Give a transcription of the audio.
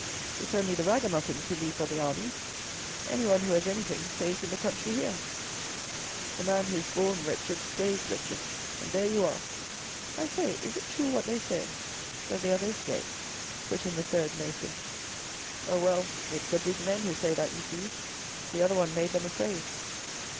It's only the ragamuffins who leave for the army. Any one who has anything stays in the country here." " The man who is born wretched stays wretched, and there you are." " I say, is it true what they say, that the other is dead ?" put in the third mason. " Oh well, it's the ' big men ' who say that, you see. The other one made them afraid."